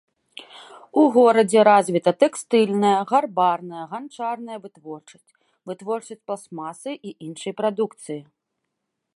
У горадзе развіта тэкстыльная, гарбарная, ганчарная вытворчасць, вытворчасць пластмасы і іншай прадукцыі.